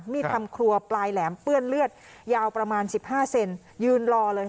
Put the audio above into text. ทำครัวปลายแหลมเปื้อนเลือดยาวประมาณ๑๕เซนยืนรอเลย